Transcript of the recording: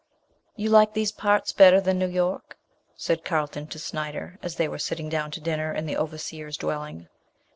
"You like these parts better than New York," said Carlton to Snyder, as they were sitting down to dinner in the overseer's dwelling.